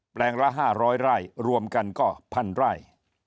แปลงละห้าร้อยไร่รวมกันก็พันไร่